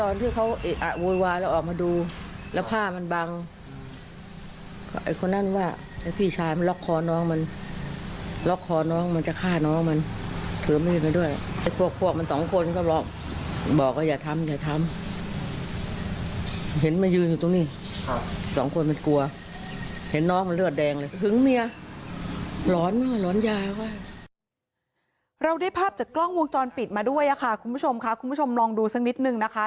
เราได้ภาพจากกล้องวงจรปิดมาด้วยค่ะคุณผู้ชมค่ะคุณผู้ชมลองดูสักนิดนึงนะคะ